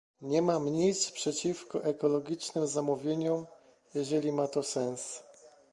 Nie mam nic przeciwko ekologicznym zamówieniom, jeżeli ma to sens